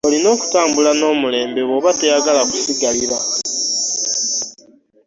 Olina okutambula n'omulembe bw'oba toyagala kusigalira.